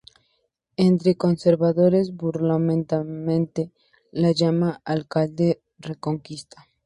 Entre conservadores, burlonamente lo llaman "alcalde reconquista".